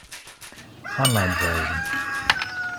Online version.